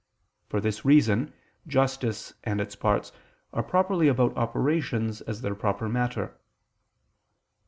For this reason justice and its parts are properly about operations as their proper matter.